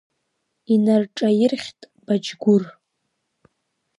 Инарҿаирхьт Баџьгәыр.